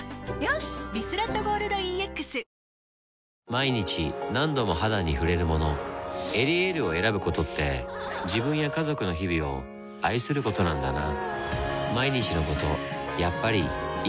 毎日何度も肌に触れるもの「エリエール」を選ぶことって自分や家族の日々を愛することなんだなぁ